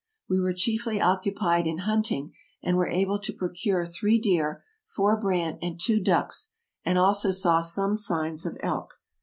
We were chiefly occupied in hunting, and were able to procure three deer, four brant and two ducks, and also saw some signs of elk.